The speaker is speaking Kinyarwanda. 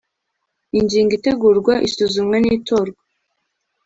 Ingingo Itegurwa isuzumwa n itorwa